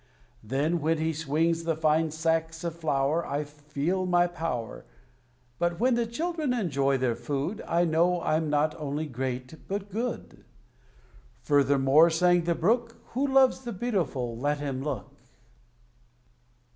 Then when he swings the fine sacks of flour, I feel my power; But when the children enjoy their food, I know I'm not only great but good!" Furthermore sang the brook "Who loves the beautiful, let him look!